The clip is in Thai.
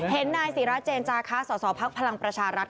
เห็นนายศรีระเจนจ้าคะสศภักดิ์พลังประชารัฐ